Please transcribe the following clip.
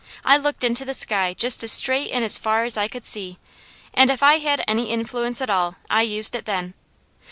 I looked into the sky just as straight and as far as I could see, and if I had any influence at all, I used it then.